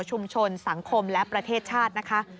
ชุมชนสังคมและประเทศชาตินะคะ